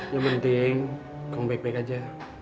yang penting kamu baik baik aja